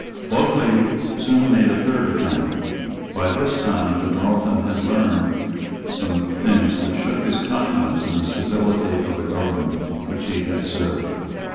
Bulkeley soon made a third attempt. By this time Godolphin had learned some things which shook his confidence in the stability of the government which he served.